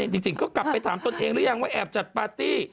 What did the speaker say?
จริงก็กลับไปถามตนเองหรือยังว่าแอบจัดปาร์ตี้